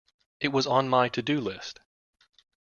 It was on my to-do list.